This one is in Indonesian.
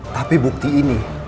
tapi bukti ini